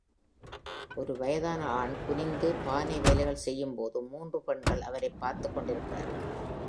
ஒரு வயதான ஆண் குனிந்து பானை வேலைகள் செய்யும்போது மூன்று பெண்கள் அவரைப் பார்த்துக் கொண்டிருக்கிறார்கள்.